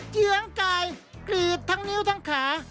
เยื้องกายกรีดทั้งนิ้วทั้งขา